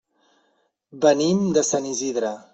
Venim de Sant Isidre.